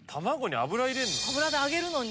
油で揚げるのに？